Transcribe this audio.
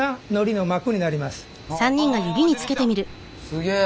すげえ。